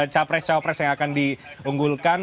capres capres yang akan diunggulkan